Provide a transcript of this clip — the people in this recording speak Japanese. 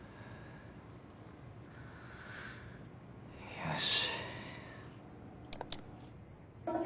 よし。